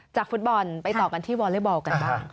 ฟุตบอลไปต่อกันที่วอเล็กบอลกันบ้าง